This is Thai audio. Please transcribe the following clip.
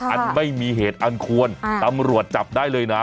อันไม่มีเหตุอันควรตำรวจจับได้เลยนะ